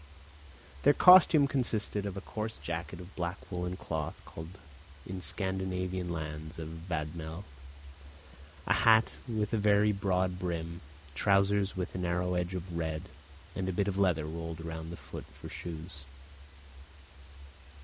Their costume consisted of a coarse jacket of black woollen cloth called in Scandinavian lands a 'vadmel,' a hat with a very broad brim, trousers with a narrow edge of red, and a bit of leather rolled round the foot for shoes.